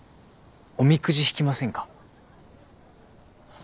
おみくじ引きませんか？